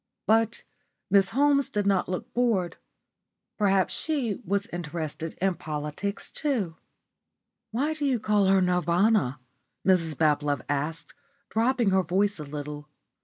But Miss Holmes did not look bored. Perhaps she was interested in politics too. "Why do you call her Nirvana?" Mrs Bablove asked, dropping her voice a little.